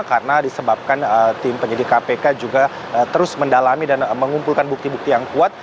karena disebabkan tim penyelidik kpk juga terus mendalami dan mengumpulkan bukti bukti yang kuat